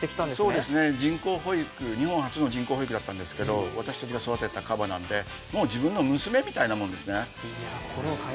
そうですね、日本初の人工哺育だったんですけど私たちが育てたカバなんで自分の娘みたいなものですね。